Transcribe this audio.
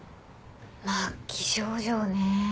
末期症状ね。